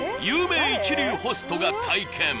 有名一流ホストが体験